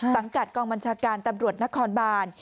สังกัดกองบัญชาการตำรวจนครบาน